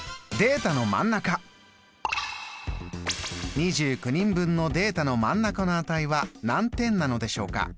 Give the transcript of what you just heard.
２９人分のデータの真ん中の値は何点なのでしょうか？